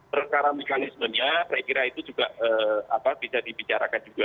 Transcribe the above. perkara mekanismenya saya kira itu juga bisa dibicarakan juga